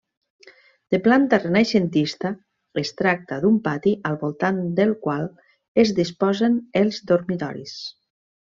De planta renaixentista, es tracta d'un pati al voltant del qual es disposen els dormitoris.